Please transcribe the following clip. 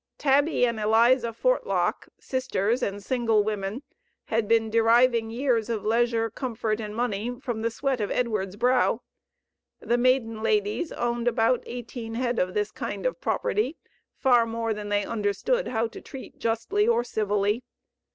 Tabby and Eliza Fortlock, sisters, and single women, had been deriving years of leisure, comfort, and money from the sweat of Edward's brow. The maiden ladies owned about eighteen head of this kind of property, far more than they understood how to treat justly or civilly.